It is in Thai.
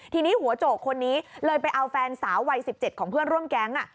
ทีนี้หัวโจกคนนี้เลยไปเอาแฟนสาววัย๑๗ของเพื่อนร่วมแก๊ง